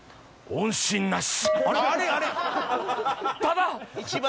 音信なし？